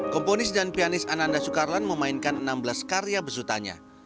komponis dan pianis ananda soekarlan memainkan enam belas karya besutannya